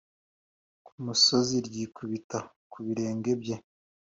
ku musozi ryikubita ku birenge bye